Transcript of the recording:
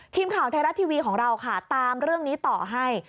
ทีมข่าวไทยรัฐทีวีของเราค่ะตามเรื่องนี้ต่อให้